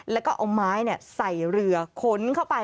แล้วก็เอาไม้ใส่เรือขนเข้าไป